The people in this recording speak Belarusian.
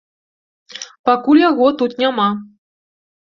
Пакуль яго тут няма.